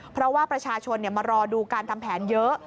เพราะว่าประชาชนมารอดูการทำแผนเยอะ